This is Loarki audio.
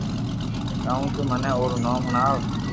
ڪاو تو منو او رو نوم ھڻَاوُ